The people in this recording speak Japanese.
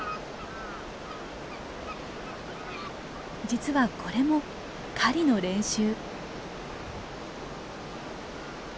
実はこれも狩りの練習。